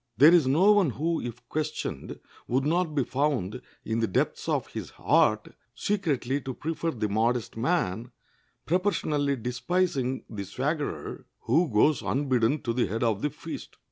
There is no one who, if questioned, would not be found in the depths of his heart secretly to prefer the modest man, proportionally despising the swaggerer "who goes unbidden to the head of the feast."